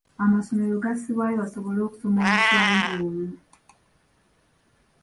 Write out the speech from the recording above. Amasomero gassibwayo basobole okusoma Oluswayiri olwo.